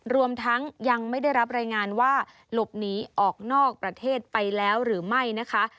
รวมทั้งยังไม่ได้รับรายงานว่าหลบหนีออกนอกประเทศไปแล้วหรือไม่นะคะ